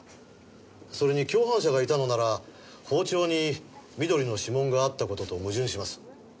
それに共犯者がいたのなら包丁に美登里の指紋があった事と矛盾します。